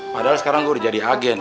padahal sekarang gue udah jadi agen